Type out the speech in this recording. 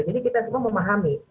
jadi kita semua memahami